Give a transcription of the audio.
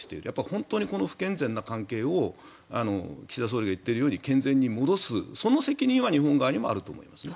本当にこの不健全な関係を岸田総理が言っているように健全に戻す、その責任は日本側にもあると思いますね。